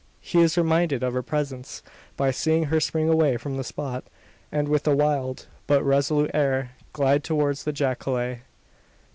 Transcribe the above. He is reminded of her presence, by seeing her spring away from the spot, and, with a wild but resolute air, glide towards the jacale!